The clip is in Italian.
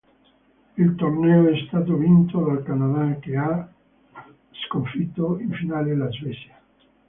Il torneo è stato vinto dal Canada, che ha sconfitto in finale la Svezia.